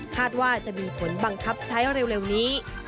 ว่าจะมีผลบังคับใช้เร็วนี้